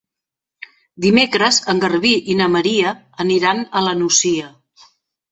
Dimecres en Garbí i na Maria aniran a la Nucia.